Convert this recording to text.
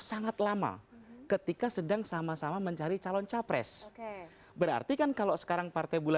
yang terjadi pada bulan september tahun lalu atau dua ribu delapan belas